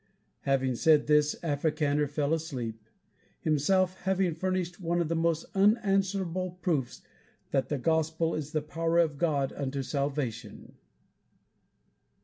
Having said this, Africaner fell asleep, himself having furnished one of the most unanswerable proofs that the gospel is the power of God unto salvation.